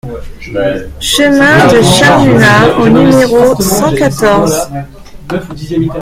Chemin de Charluat au numéro cent quatorze